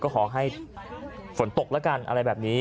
ก็ขอให้ฝนตกแล้วกันอะไรแบบนี้